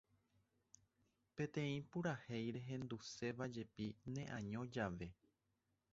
Peteĩ purahéi rehendusévajepi ne año jave